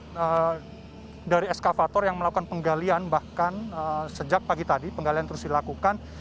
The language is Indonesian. kemudian dari eskavator yang melakukan penggalian bahkan sejak pagi tadi penggalian terus dilakukan